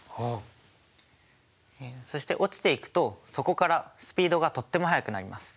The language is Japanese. そして落ちていくとそこからスピードがとっても速くなります。